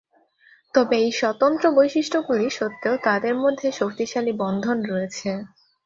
তবে এই স্বতন্ত্র বৈশিষ্ট্যগুলি সত্ত্বেও তাদের মধ্যে শক্তিশালী বন্ধন রয়েছে।